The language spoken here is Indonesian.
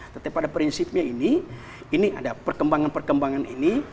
tetapi pada prinsipnya ini ini ada perkembangan perkembangan ini